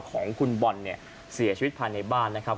ของคุณบอลเนี่ยเสียชีวิตภายในบ้านนะครับ